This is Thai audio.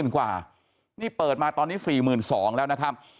กว่านี่เปิดมาตอนนี้๔๒๐๐แล้วนะครับ